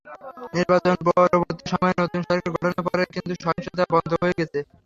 নির্বাচন-পরবর্তী সময়ে নতুন সরকার গঠনের পরে কিন্তু সহিংসতা বন্ধ হয়ে গেছে।